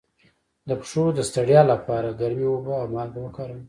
د پښو د ستړیا لپاره ګرمې اوبه او مالګه وکاروئ